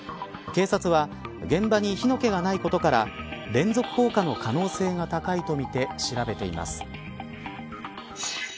警察は現場に火の気がないことから連続放火の可能性が高いとみて調べています。